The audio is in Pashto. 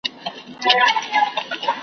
له پلرونو له نیکونو تعویذګر یم .